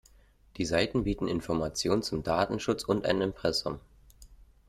Die Seiten bieten Informationen zum Datenschutz und ein Impressum.